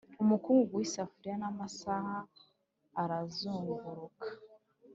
umukungugu w'isafuriya n'amasaha arazunguruka